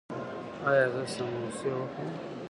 ایا زه سموسې وخورم؟